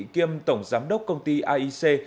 kiêm tổng giám đốc công ty aic